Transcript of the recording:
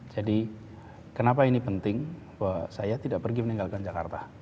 jadi kenapa ini penting bahwa saya tidak pergi meninggalkan jakarta